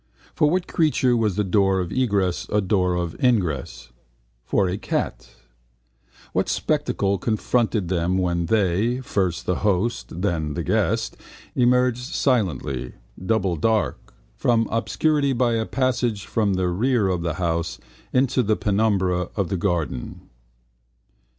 For what creature was the door of egress a door of ingress? For a cat. What spectacle confronted them when they, first the host, then the guest, emerged silently, doubly dark, from obscurity by a passage from the rere of the house into the penumbra of the garden?